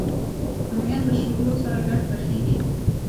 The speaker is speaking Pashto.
رومیان له شولو سره ګډ پخېږي